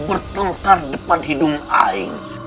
bertelkar depan hidung aing